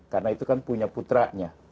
karena itu kan punya putranya